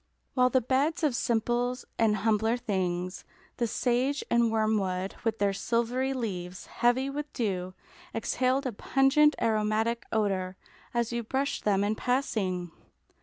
While the beds of simples and humbler things, the sage and wormwood, with their silvery leaves heavy with dew, exhaled a pungent, aromatic odour as you brushed them in passing.